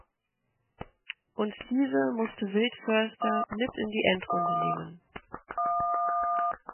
Und diese musste Wildförster mit in die Endrunde nehmen.